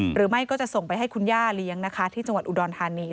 หรือไม่ก็จะส่งไปให้คุณย่าเลี้ยงนะคะที่จังหวัดอุดรธานี